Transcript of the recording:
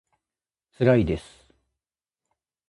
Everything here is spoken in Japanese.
つらいです